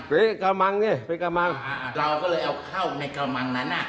ไปกาวมังนี่ไปกาวมังอ่าอ่าเราก็เลยเอาข้าวในกาวมังนั้นอ่ะอ่า